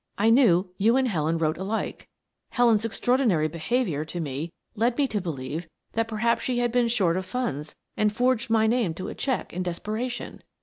I knew you and Helen wrote alike; Helen's extraordinary behavior to me led me to believe that perhaps she had been short of funds, and forged my name to a check in desperation.